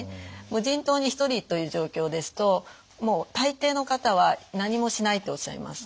無人島に１人という状況ですともう大抵の方は何もしないとおっしゃいます。